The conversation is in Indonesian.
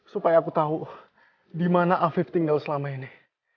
supaya aku tahu di mana afif tinggal selama ini